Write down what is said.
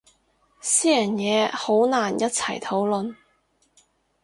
私人嘢好難一齊討論